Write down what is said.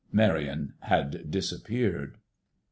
Marion had disappeared.